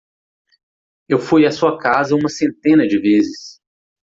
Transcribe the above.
Eu fui a sua casa uma centena de vezes.